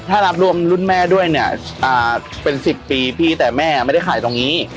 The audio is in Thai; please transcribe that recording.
ถ้ารับรวมรุ่นแม่ด้วยเนี่ยเป็น๑๐ปีพี่แต่แม่ไม่ได้ขายตรงนี้